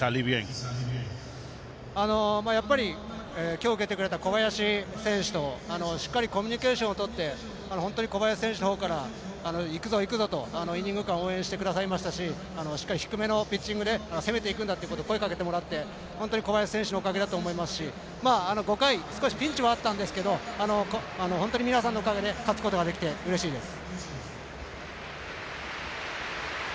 今日受けてくれた小林選手としっかりコミュニケーションをとって本当に小林選手のほうからいくぞ、いくぞとイニング間応援してくださいましたししっかり低めのピッチングで攻めていくんだと声をかけてもらって、本当に小林選手のおかげだと思いますし５回、少しピンチはあったんですけど本当に皆さんのおかげで勝つことができてうれしいです。